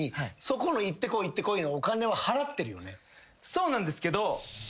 そうなんですけど。